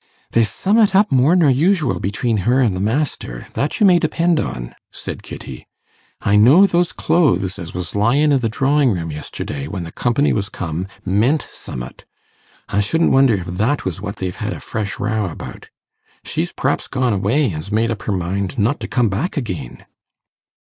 'There's summat up more nor usual between her an' the master, that you may depend on,' said Kitty. 'I know those clothes as was lying i' the drawing room yesterday, when the company was come, meant summat. I shouldn't wonder if that was what they've had a fresh row about. She's p'raps gone away, an's made up her mind not to come back again.